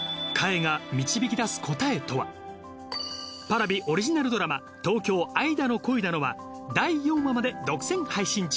Ｐａｒａｖｉオリジナルドラマ『東京、愛だの、恋だの』は第４話まで独占配信中。